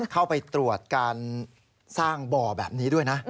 เข้าไปตรวจการสร้างบ่อแบบนี้ด้วยนะ